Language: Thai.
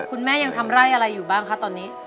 คุณแม่ยังทำไร่อะไรอยู่บ้างคะตอนนี้